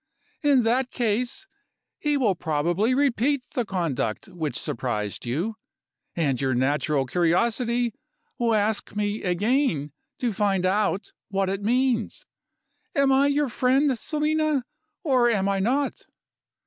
In that case, he will probably repeat the conduct which surprised you; and your natural curiosity will ask me again to find out what it means. Am I your friend, Selina, or am I not?